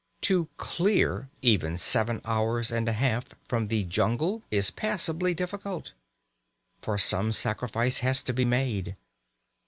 To "clear" even seven hours and a half from the jungle is passably difficult. For some sacrifice has to be made.